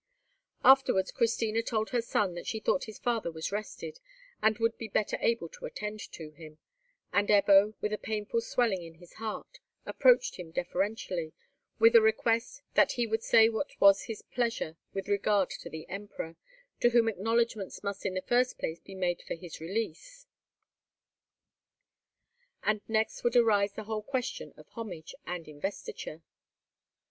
Afterwards Christina told her son that she thought his father was rested, and would be better able to attend to him, and Ebbo, with a painful swelling in his heart, approached him deferentially, with a request that he would say what was his pleasure with regard to the Emperor, to whom acknowledgments must in the first place be made for his release, and next would arise the whole question of homage and investiture.